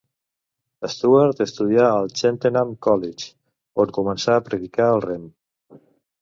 Stuart estudià al Cheltenham College, on començà a practicar el rem.